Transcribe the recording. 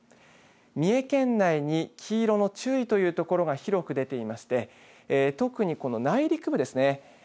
三重県内に黄色の注意というところが広く出ていまして特に、この内陸部ですね